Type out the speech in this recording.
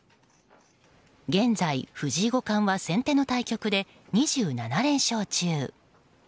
現在、藤井五冠は先手の対局で２７連勝中。